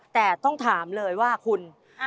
แต่ต้องถามเลยว่าคุณ